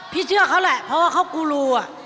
เชื่อเขาแหละเพราะว่าเขากูรูอ่ะ